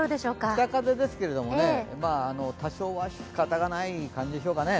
北風ですけどね、多少はしかたがない感じですかね。